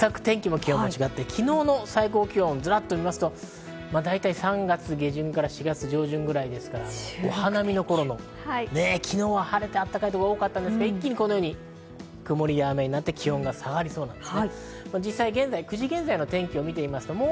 昨日の最高気温、ズラっと見ますと、大体３月下旬から４月上旬くらいですから、お花見の頃の昨日は晴れて暖かいところ、多かったんですが、一気にこのように曇りや雨になって、気温が下がりそうなんです。